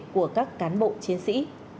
của các cán bộ chiến sĩ